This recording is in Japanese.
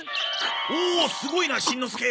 おーすごいなしんのすけ！